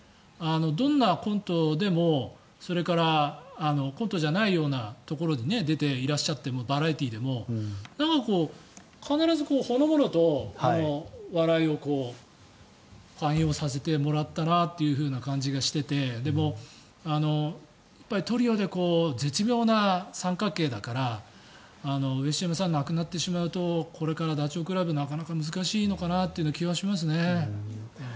どんなコントでもそれからコントじゃないようなところに出ていらっしゃってもバラエティーでも必ずほのぼのと笑わせてもらったなという感じがしていてでも、トリオで絶妙な三角形だから上島さんが亡くなってしまうとこれからダチョウ倶楽部はなかなか難しいのかなという気がしますけどね。